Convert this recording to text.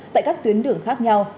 tại các tuyến đường khác nhau